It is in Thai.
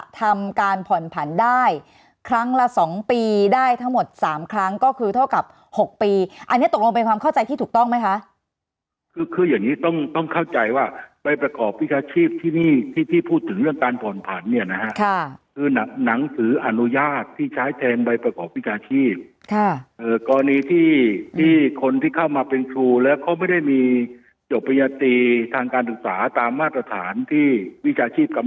ทำการผ่อนผันได้ครั้งละสองปีได้ทั้งหมดสามครั้งก็คือเท่ากับหกปีอันเนี้ยตกลงเป็นความเข้าใจที่ถูกต้องไหมคะคือคืออย่างนี้ต้องต้องเข้าใจว่าใบประกอบวิชาชีพที่นี่ที่พูดถึงเรื่องการผ่อนผันเนี่ยนะคะค่ะคือหนักหนังสืออนุญาตที่ใช้แจงใบประกอบวิชาชีพค่ะเอ่อกรณีที่ที่คนที่เข้ามาเป็นทูแล้วเขาไม่ได